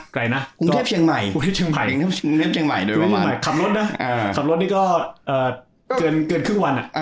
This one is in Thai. ไกลมากคุณเทพเชียงใหม่โดยประวัติคำรถนะคำรถนี่ก็เกินครึ่งวัน